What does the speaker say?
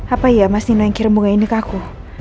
apa iya mas nino yang kirim bunga ini ke aku